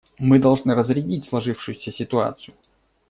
Мы должны разрядить сложившуюся ситуацию.